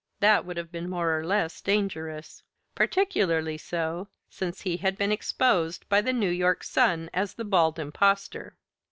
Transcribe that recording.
That would have been more or less dangerous. Particularly so, since he had been exposed by the New York "Sun" as The Bald Impostor.